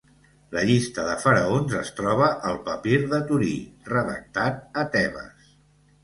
La llista de faraons es troba al papir de Torí, redactat a Tebes.